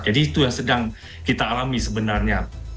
jadi itu yang sedang kita alami sebenarnya